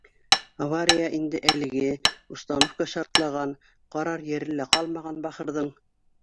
Авария инде әлеге, установка шартлаған, ҡарар ере лә ҡалмаған бахырҙың